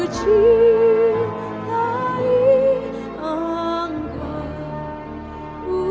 tetapi kau tak lupa ku